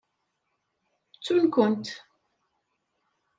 Ttun-kent.